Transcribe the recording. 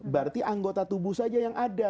berarti anggota tubuh saja yang ada